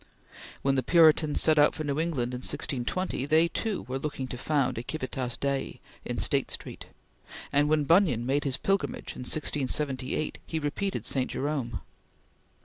When the Puritans set out for New England in 1620, they too were looking to found a Civitas Dei in State Street; and when Bunyan made his Pilgrimage in 1678, he repeated St. Jerome.